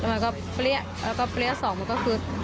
มันก็เปรี้ยแล้วก็เปรี้ยสองมันก็คือ